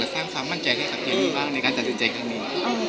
คุณแม่สร้างความมั่นใจให้กับเจนนี่บ้างในการตัดสินใจข้างดี